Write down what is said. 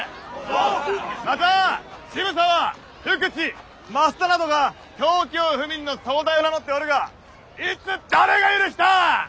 また渋沢福地益田などが東京府民の総代を名乗っておるがいつ誰が許した？